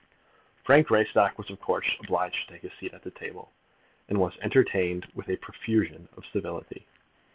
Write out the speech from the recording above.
Frank Greystock was, of course, obliged to take his seat at the table, and was entertained with a profusion of civility.